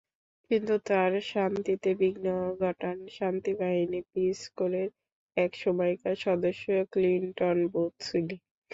কিন্তু তাঁর শান্তিতে বিঘ্ন ঘটান শান্তিবাহিনী—পিস কোরের একসময়কার সদস্য ক্লিনটন বুথ সিলি।